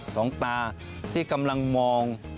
สองตาที่กำลังมอง